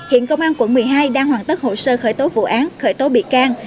hiện công an quận một mươi hai đang hoàn tất hồ sơ khởi tố vụ án khởi tố bị can